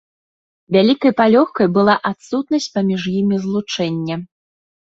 Вялікай палёгкай была адсутнасць паміж імі злучэння.